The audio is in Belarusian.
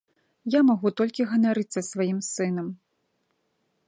Я магу толькі ганарыцца сваім сынам.